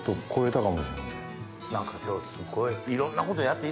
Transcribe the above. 何か今日すごい。